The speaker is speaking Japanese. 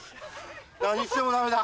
何してもダメだ。